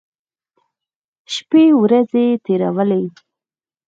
شپې ورځې تېرولې.